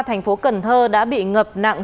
thành phố cần thơ đã bị ngập nặng